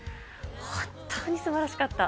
本当にすばらしかった。